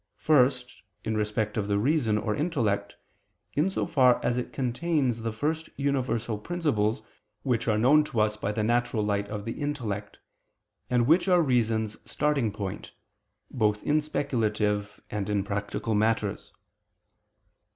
First, in respect of the reason or intellect, in so far as it contains the first universal principles which are known to us by the natural light of the intellect, and which are reason's starting point, both in speculative and in practical matters.